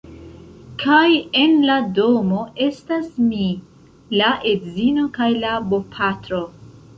Kaj en la domo estas mi, la edzino kaj la bopatro.